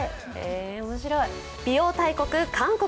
美容大国・韓国。